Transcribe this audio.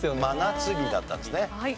真夏日だったんですね。